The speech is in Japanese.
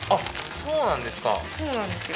そうなんですよ。